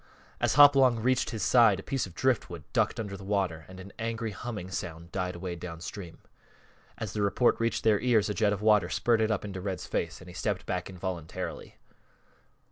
As Hopalong reached his side a piece of driftwood ducked under the water and an angry humming sound died away downstream. As the report reached their ears a jet of water spurted up into Red's face and he stepped back involuntarily.